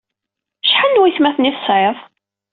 Acḥal n waytmaten ay tesɛid?